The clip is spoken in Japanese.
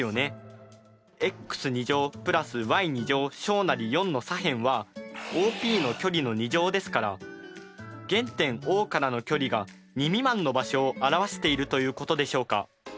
ｘ＋ｙ４の左辺はＯＰの距離の２乗ですから原点Ｏからの距離が２未満の場所を表しているということでしょうか？